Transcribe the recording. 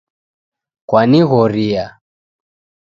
Kwanigoria